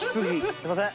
すいません。